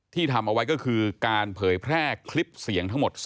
ทำเอาไว้ก็คือการเผยแพร่คลิปเสียงทั้งหมด